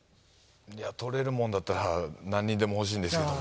取れるもんだったら何人でも欲しいんですけれども。